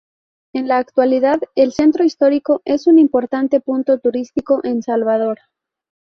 En la actualidad, el centro histórico es un importante punto turístico en Salvador.